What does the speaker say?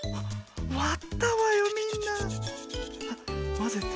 まぜて。